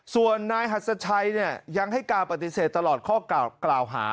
ส่วนนายหัสชัยยังให้การปฏิเสธตลอดข้อกล่าวหา